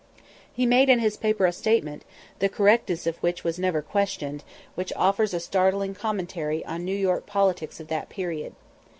He made in his paper a statement, the correctness of which was never questioned, which offers a startling commentary on New York politics of that period.